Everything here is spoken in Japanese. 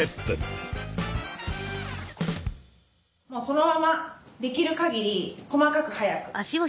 そのままできるかぎり細かく速く。